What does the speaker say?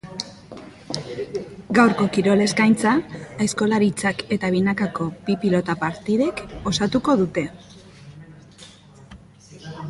Gaurko kirol eskaintza aizkolaritzak eta binakako bi pilota partidek osatuko dute.